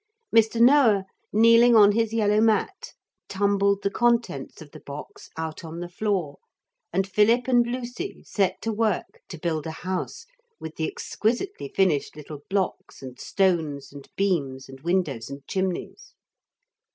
Mr. Noah, kneeling on his yellow mat, tumbled the contents of the box out on the floor, and Philip and Lucy set to work to build a house with the exquisitely finished little blocks and stones and beams and windows and chimneys.